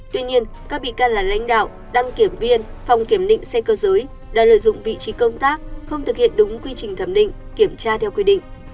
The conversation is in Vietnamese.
tuy nhiên các bị can là lãnh đạo đăng kiểm viên phòng kiểm định xe cơ giới đã lợi dụng vị trí công tác không thực hiện đúng quy trình thẩm định kiểm tra theo quy định